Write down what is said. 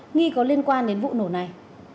nghi có liên quan đến vụ nổ này